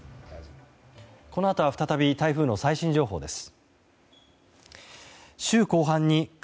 このあとは再び台風の最新情報です。